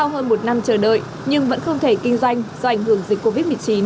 hơn một năm chờ đợi nhưng vẫn không thể kinh doanh do ảnh hưởng dịch covid một mươi chín